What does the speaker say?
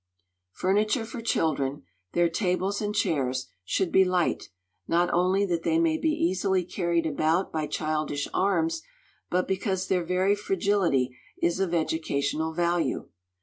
Furniture for children, their tables and chairs, should be light, not only that they may be easily carried about by childish arms, but because their very fragility is of educational value.